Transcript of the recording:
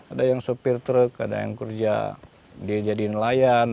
ada yang sopir truk ada yang kerja dia jadi nelayan